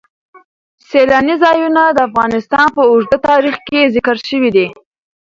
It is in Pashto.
سیلانی ځایونه د افغانستان په اوږده تاریخ کې ذکر شوی دی.